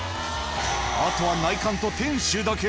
あとは内観と店主だけ